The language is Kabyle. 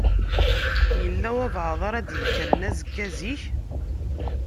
Yella walebɛaḍ ara d-yekkren azekka zik?